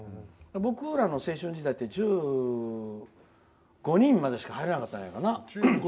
僕らの青春時代って１５人までしか入れなかったんじゃないかな。